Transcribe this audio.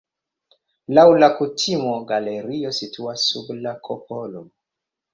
Laŭ la kutimo galerio situas sub la kupolo.